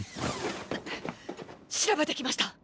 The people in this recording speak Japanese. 調べてきました！